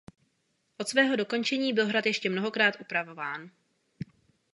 Od svého dokončení byl hrad ještě mnohokrát upravován.